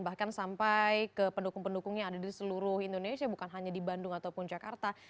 bahkan sampai ke pendukung pendukung yang ada di seluruh indonesia bukan hanya di bandung ataupun jakarta